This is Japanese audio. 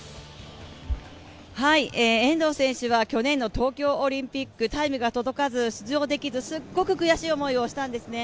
遠藤選手は去年の東京オリンピックタイムが届かず出場できずすごく悔しい思いをしたんですね。